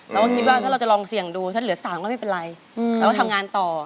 เราก็คิดว่าถ้าเราจะลองเสี่ยงดูถ้าเหลือ๓ก็ไม่เป็นไรเราก็ทำงานต่อ